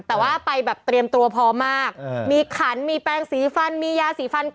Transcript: แต่ว่าไปแบบเตรียมตัวพอมากมีขันมีแปลงสีฟันมียาสีฟัน